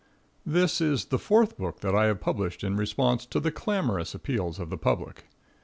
This is the fourth book that I have published in response to the clamorous appeals of the public.